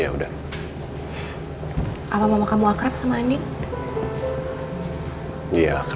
aku senang oleh kehilangan anak aku